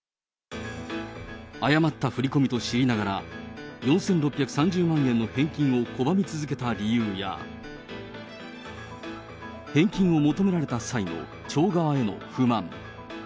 誤った振り込みと知りながら、４６３０万円の返金を拒み続けた理由や、返金を求められた際の町側への不満。